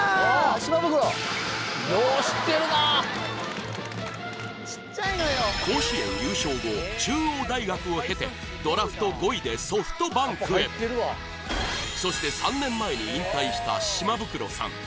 島袋よう知ってるな甲子園優勝後中央大学を経てドラフト５位でソフトバンクへそして３年前に引退した島袋さん